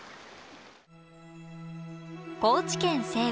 高知県西部